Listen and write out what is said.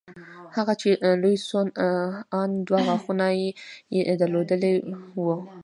هغه چې لوى سو ان دوه غاښونه يې لوېدلي وو.